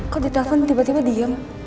kok di telpon tiba tiba diem